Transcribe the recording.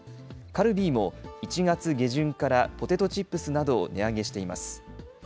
カルビーも、１月下旬からポテトチップスなどを値上げしています。